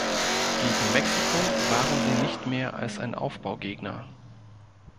Gegen Mexiko waren sie nicht mehr als ein Aufbaugegner.